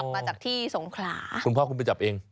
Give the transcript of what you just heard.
มาจากที่สงขลาคุณพ่อคุณไปจับเอง